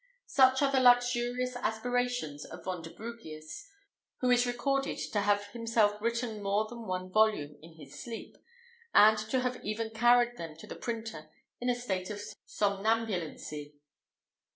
Such are the luxurious aspirations of Vonderbrugius, who is recorded to have himself written more than one volume in his sleep, and to have even carried them to the printer in a state of somnambulency.